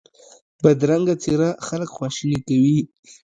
بدرنګه څېره خلک خواشیني کوي